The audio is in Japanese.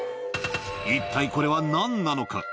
一体これはなんなのか。